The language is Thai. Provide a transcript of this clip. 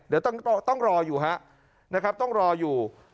เดี๋ยวต้องรออยู่ครับนะครับต้องรออยู่